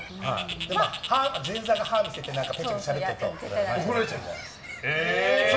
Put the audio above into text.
前座が歯を見せてぺちゃくちゃしゃべってると怒られるんです。